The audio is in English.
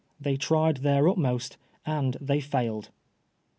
They tried their utmost and they failed.